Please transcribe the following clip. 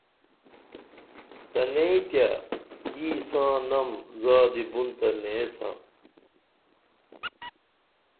تنئیں تیہ یی ساں نم زادی بُن تہ نیسا